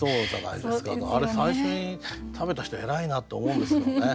あれ最初に食べた人偉いなって思うんですよね。